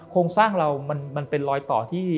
โครงสร้างเรามันเป็นรอยต่อที่